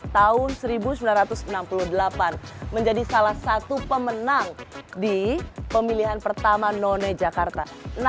tahun seribu sembilan ratus enam puluh delapan menjadi salah satu pemenang di pemilihan pertama none jakarta